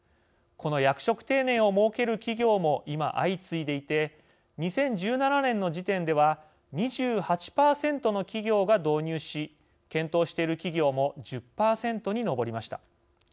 この役職定年を設ける企業も今相次いでいて２０１７年の時点では２８％の企業が導入し検討している企業も１０％に上りました。